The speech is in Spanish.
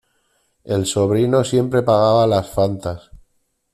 El sobrino siempre pagaba las Fantas.